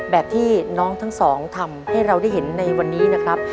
แบบที่น้องทั้งสองทำให้เราได้เห็นในวันนี้นะครับ